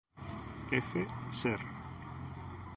F. Ser.